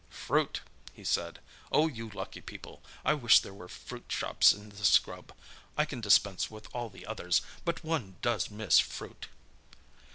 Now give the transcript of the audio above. "Fruit!" he said. "Oh, you lucky people! I wish there were fruit shops in the scrub. I can dispense with all the others, but one does miss fruit."